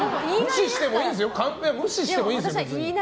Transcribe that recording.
カンペは無視してもいいんですよ。